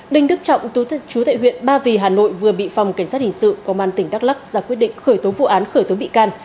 đình đức trọng tù chú tại huyện ba vì hà nội vừa bị phòng cảnh sát hình sự công an tỉnh đắk lắc ra quyết định khởi tố vụ án khởi tố bị can